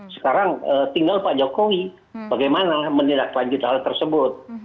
sekarang tinggal pak jokowi bagaimana menilai lanjut hal tersebut